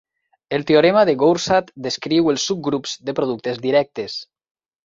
El teorema de Goursat descriu els subgrups de productes directes.